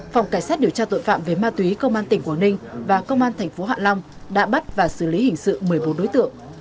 phòng cảnh sát điều tra tội phạm về ma túy công an tỉnh quảng ninh và công an tp hạ long đã bắt và xử lý hình sự một mươi bốn đối tượng